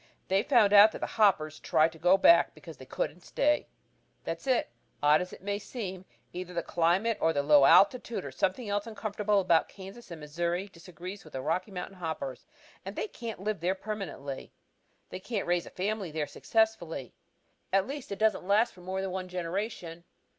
They found out that the hoppers tried to go back because they couldn't stay! That is, odd as it may seem, either the climate or the low altitude or something else uncomfortable about Kansas and Missouri disagrees with the Rocky Mountain hoppers and they can't live there permanently. They can't raise a family there successfully; at least it doesn't last for more than one generation.